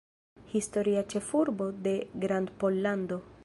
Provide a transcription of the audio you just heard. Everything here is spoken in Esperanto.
Historia ĉefurbo de Grandpollando.